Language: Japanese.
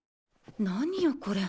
何よこれ。